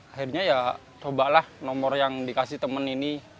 akhirnya ya cobalah nomor yang dikasih teman ini